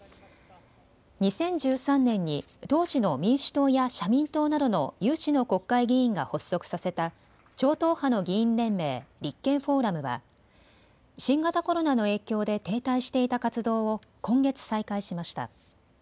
２０１３年に当時の民主党や社民党などの有志の国会議員が発足させた超党派の議員連盟、立憲フォーラムは新型コロナの影響で停滞していた活動を今月、再開しました。